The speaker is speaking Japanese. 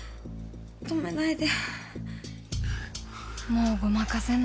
止めないで。